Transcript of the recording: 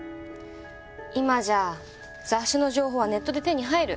今じゃ雑誌の情報はネットで手に入る。